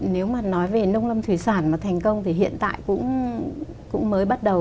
nếu mà nói về nông lâm thủy sản mà thành công thì hiện tại cũng mới bắt đầu